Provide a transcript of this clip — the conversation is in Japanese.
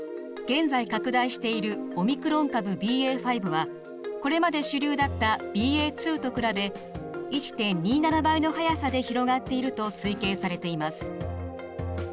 現在拡大しているオミクロン株ＢＡ．５はこれまで主流だったＢＡ．２と比べ１．２７倍の速さで広がっていると推計されています。